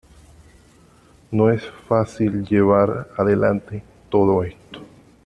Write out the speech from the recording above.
No es fácil llevar adelante todo esto.